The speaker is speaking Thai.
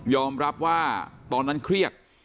รับว่าตอนนั้นเครียด